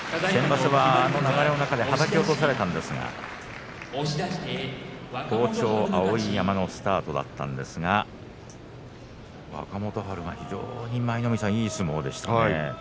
先場所は流れの中ではたき落とされたんですが好調、碧山のスタートだったんですが若元春が非常にいい相撲でした。